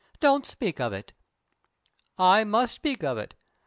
"Don't speak of it." "I must speak of it.